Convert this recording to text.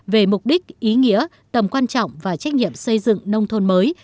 về mục đích ý nghĩa tầm quan trọng và trách nhiệm xây dựng nông thôn mới